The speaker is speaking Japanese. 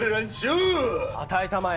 「与えたまえ」！